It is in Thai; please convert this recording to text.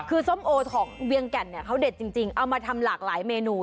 คือส้มโอของเวียงแก่นเนี่ยเขาเด็ดจริงเอามาทำหลากหลายเมนู